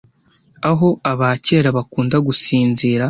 aho abakera bakunda gusinzira